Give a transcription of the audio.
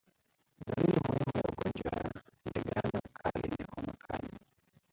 Dalili muhimu ya ugonjwa wa ndigana kali ni homa kali